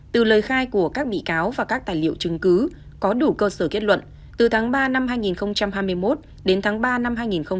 từ lời khai của các bị cáo và các tài liệu chứng cứ có đủ cơ sở kết luận từ tháng ba năm hai nghìn hai mươi một đến tháng ba năm hai nghìn hai mươi ba